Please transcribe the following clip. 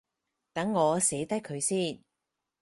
等我寫低佢先